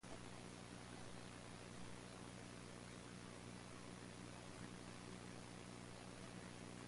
All the people were brought together here irrespective of caste distinctions.